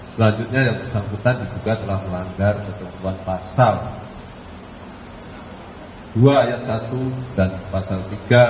selanjutnya yang bersangkutan diduga telah melanggar ketentuan pasal dua ayat satu dan pasal tiga